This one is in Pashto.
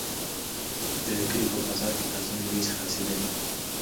د کلي په بازار کې تازه میوې خرڅېدلې.